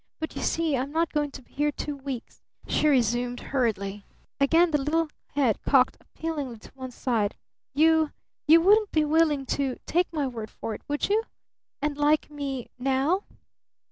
"But you see I'm not going to be here two weeks!" she resumed hurriedly. Again the little head cocked appealingly to one side. "You you wouldn't be willing to take my word for it, would you? And like me now?"